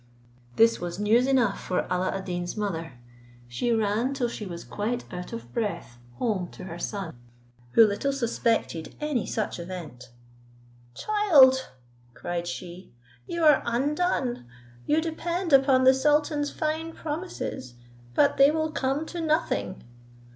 This was news enough for Alla ad Deen's mother. She ran till she was quite out of breath home to her son, who little suspected any such event. "Child," cried she, "you are undone! You depend upon the sultan's fine promises, but they will come to nothing."